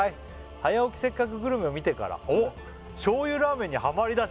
「『早起きせっかくグルメ！！』を見てから醤油ラーメンにハマり出し」